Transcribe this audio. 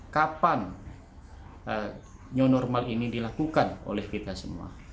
kapan new normal ini dilakukan oleh kita semua